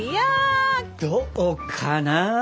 どうかな？